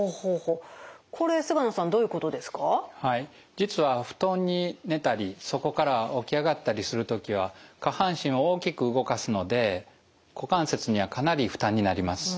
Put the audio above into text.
実は布団に寝たりそこから起き上がったりする時は下半身を大きく動かすので股関節にはかなり負担になります。